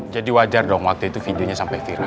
jadi wajar dong waktu itu videonya sampai viral